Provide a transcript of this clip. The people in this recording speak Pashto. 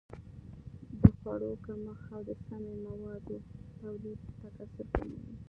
د خوړو کمښت او د سمي موادو تولید تکثر کموي.